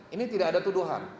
ini tidak ada tuduhan